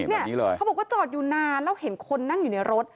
นี่เขาบอกว่าจอดอยู่นานแล้วเห็นคนนั่งอยู่ในรถ